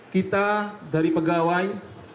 kita dari pegawai